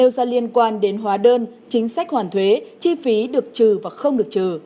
về bản thuế chi phí được trừ và không được trừ